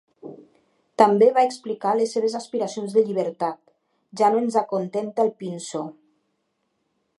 També va explicar les seves aspiracions de llibertat: Ja no ens acontenta el pinso.